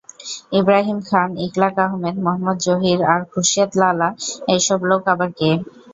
ইব্রাহীম খান, ইখলাক আহমেদ, মোহাম্মদ জহির আর খুরশেদ লালা এই সব লোক আবার কে?